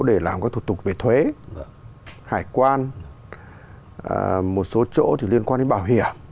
để làm các thủ tục về thuế hải quan một số chỗ liên quan đến bảo hiểm